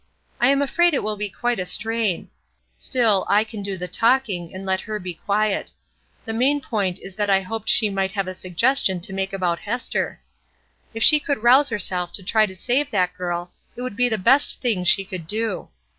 "I am afraid it will be quite a strain. Still, I can do the talking, and let her be quiet. The main point is that I hoped she might have a suggestion to make about Hester. If she could rouse herself to try to save that girl it would be the best thing she could do.